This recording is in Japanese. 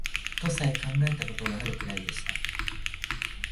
とさえ考えた事があるくらいでした